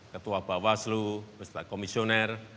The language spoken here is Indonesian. ketua bawaslu beserta komisioner